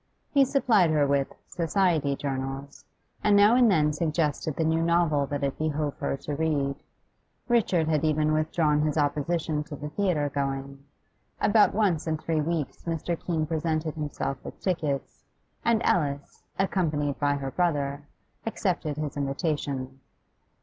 He supplied her with 'society' journals, and now and then suggested the new novel that it behoved her to read. Richard had even withdrawn his opposition to the theatre going; about once in three weeks Mr. Keene presented himself with tickets, and Alice, accompanied by her brother, accepted his invitation.